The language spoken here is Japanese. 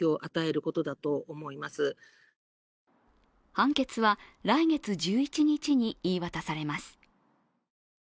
判決は来月１１日に言い渡されます。